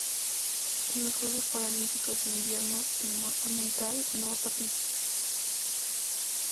En los Juegos Paralímpicos de Invierno Timor Oriental no ha participado en ninguna edición.